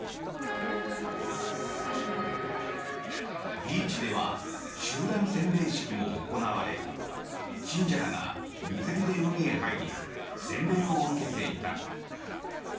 ビーチでは集団洗礼式も行われ信者らが水着で海へ入り洗礼を受けていた。